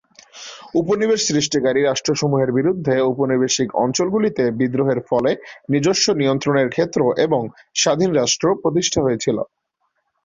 উপনিবেশ সৃষ্টিকারী রাষ্ট্রসমূহের বিরুদ্ধে ঔপনিবেশিক অঞ্চলগুলিতে বিদ্রোহের ফলে নিজস্ব নিয়ন্ত্রণের ক্ষেত্র এবং স্বাধীন রাষ্ট্র প্রতিষ্ঠা হয়েছিল।